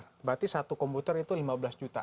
berarti satu komputer itu lima belas juta